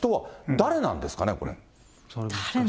誰なんですかね。